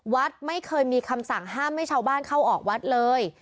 วัดไม่เคยมีคำสั่งห้ามให้ชาวบ้านเข้าออกวัดเลย